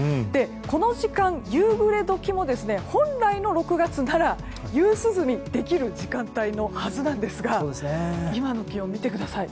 この時間、夕暮れ時も本来の６月なら夕涼みできる時間帯のはずですが今の気温を見てください。